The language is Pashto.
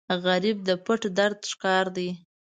غریب د پټ درد ښکار دی